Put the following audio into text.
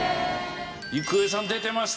郁恵さん出てました。